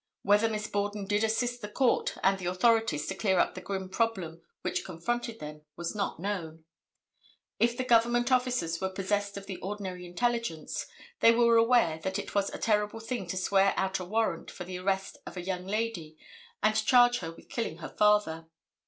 Whether Miss Borden did assist the court and the authorities to clear up the grim problem which confronted them, was not known. If the government officers were possessed of the ordinary intelligence, they were aware that it was a terrible thing to swear out a warrant for the arrest of a young lady and charge her with killing her father.